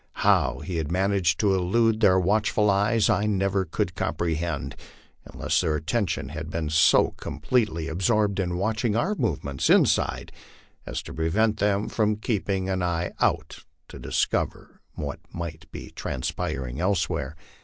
How he had managed to elude their watchful eyes I never could comprehend, unless their attention had been so completely absoibed in watching our movements inside as to prevent them from keeping an eye out to discover what might be transpiring elsewhere.